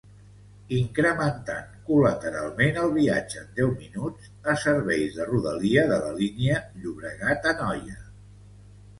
Incrementant col·lateralment el viatge en deu minuts a serveis de rodalia de la Línia Llobregat-Anoia.